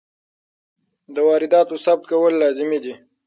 د وارداتو ثبت کول لازمي دي.